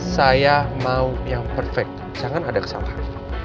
saya mau yang perfect jangan ada kesalahan